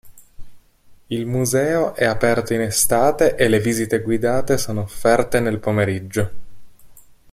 Il museo è aperto in estate e le visite guidate sono offerte nel pomeriggio.